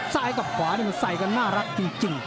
ซ้ายกับขวานี่มันใส่กันน่ารักจริง